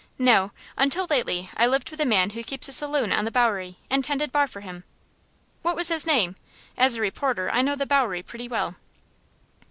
"No; until lately I lived with a man who keeps a saloon on the Bowery, and tended bar for him." "What was his name? As a reporter I know the Bowery pretty well."